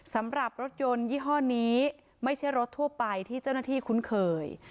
สำหรับรถยนต์ยี่ห้อนี้ไม่ใช่รถทั่วไปที่เจ้าหน้าที่คุ้นเคย